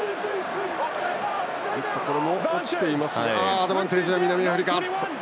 アドバンテージ、南アフリカ。